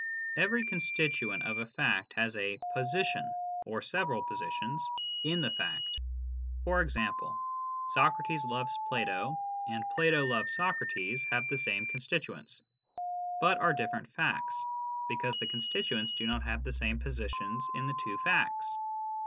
Every constituent of a fact has a position (or several positions) in the fact. For example, " Socrates loves Plato " and " Plato loves Socrates " have the same constituents, but are different facts, because the constituents do not have the same positions in the two facts.